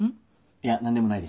いや何でもないです。